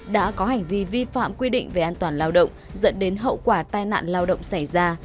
đã có hành vi vi phạm quy định về an toàn lao động dẫn đến hậu quả tai nạn lao động xảy ra